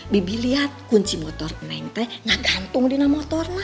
bibi liat kunci motornya ini gak gantung sama motornya